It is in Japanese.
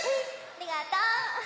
ありがとう。